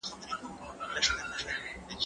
زه پوښتنه نه کوم؟